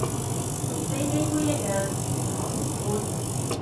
同飛機杯一樣只可遠觀